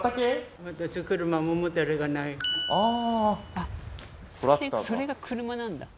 あそれが車なんだ。